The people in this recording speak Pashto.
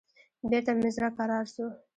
بېرته مې زړه کرار سو.